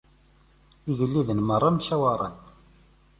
Igelliden merra mcawaṛen.